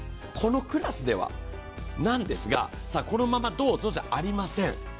このクラスではなんですが、このままどうぞじゃありません。